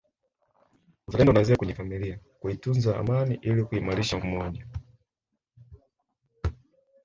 Uzalendo unaanzia kwenye familia kuitunza amani ili kuimarisha umoja